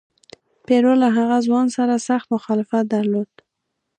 پیرو له هغه ځوان سره سخت مخالفت درلود.